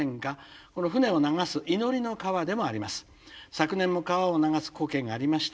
昨年も流す光景がありました。